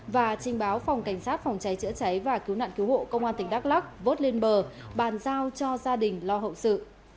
và trinh báo phòng cảnh sát phòng cháy chữa cháy và cứu nạn cứu hộ công an tỉnh đắk lắc vốt lên bờ bàn giao cho gia đình lo hậu sự